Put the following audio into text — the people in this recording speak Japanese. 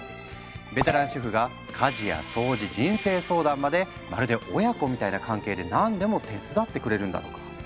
ベテラン主婦が家事や掃除人生相談までまるで親子みたいな関係で何でも手伝ってくれるんだとか。